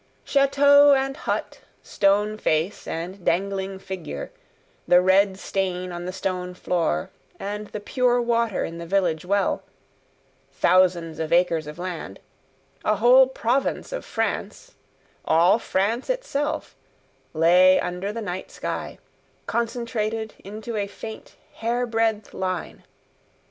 Chateau and hut, stone face and dangling figure, the red stain on the stone floor, and the pure water in the village well thousands of acres of land a whole province of France all France itself lay under the night sky, concentrated into a faint hair breadth line.